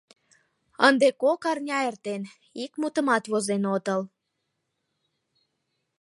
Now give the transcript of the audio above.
Ынде кок арня эртен, ик мутымат возен отыл!..